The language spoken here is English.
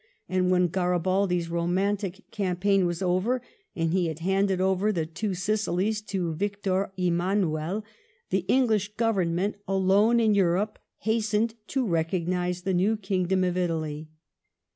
And when Osribridi^a romantia campaign was over, and be had handed over Aa two* Sicilies to Victor Emmanuel, the English OrDvemment, alone in Europe, haetenad to reoagnisa the new king* dom of Italy.